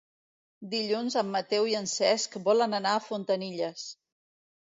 Dilluns en Mateu i en Cesc volen anar a Fontanilles.